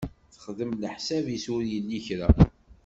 Texdem leḥsab-is ur yelli kra.